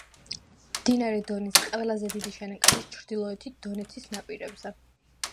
მდინარე დონის ყველაზე დიდი შენაკადის ჩრდილოეთის დონეცის ნაპირებზე.